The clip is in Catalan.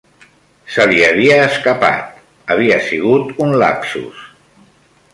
Se li havia escapat. Havia sigut un lapsus.